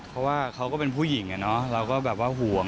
เพราะว่าเขาก็เป็นผู้หญิงเราก็แบบว่าห่วง